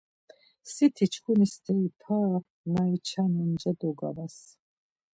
Siti, çkuni steri para na içanen nca dogavas.